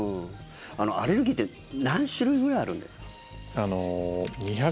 アレルギーって何種類くらいあるんですか？